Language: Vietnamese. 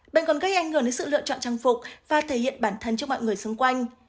bệnh còn gây ảnh hưởng đến sự lựa chọn trang phục và thể hiện bản thân trước mọi người xung quanh